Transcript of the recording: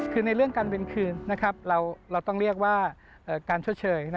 คือในเรื่องการเวรคืนเราต้องเรียกว่าการชดเชย